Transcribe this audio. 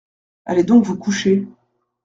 Allez donc vous coucher.